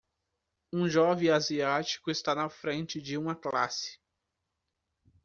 Um jovem asiático está na frente de uma classe